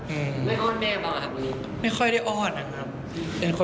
ไม่อ้อนแม่บ้างหรอหมอลิต